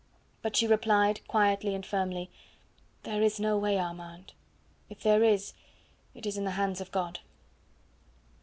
But she replied quietly and firmly: "There is no way, Armand. If there is, it is in the hands of God."